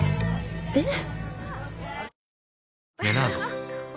えっ？